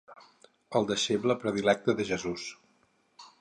El deixeble predilecte de Jesús.